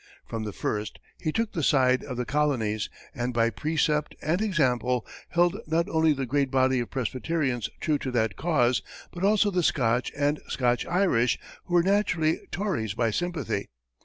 From the first, he took the side of the colonies, and by precept and example, held not only the great body of Presbyterians true to that cause, but also the Scotch and Scotch Irish, who were naturally Tories by sympathy.